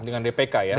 dengan dpk ya